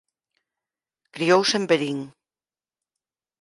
Criouse en Verín.